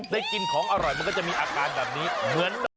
ได้กินของอร่อยมันก็จะมีอาการแบบนี้เหมือนแบบ